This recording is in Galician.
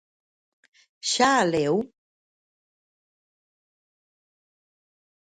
¿Xa a leu?